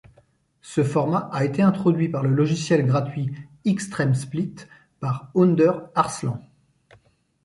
Ce format a été introduit par le logiciel gratuit Xtremsplit par Önder Arslan.